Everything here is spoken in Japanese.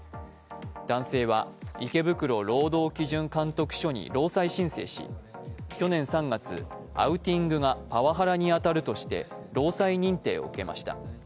男性は池袋労働基準監督署に労災申請し、去年３月、アウティングがパワハラに当たるとして労災認定を受けました。